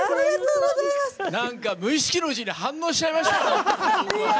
なんか無意識のうちに反応しちゃいました。